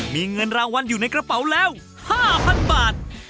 มีเงินรางวัลอยู่ในกระเป๋าแล้ว๕๐๐๐บาท